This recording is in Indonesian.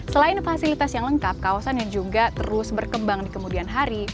selain fasilitas yang lengkap kawasan yang juga terus berkembang di kemudian hari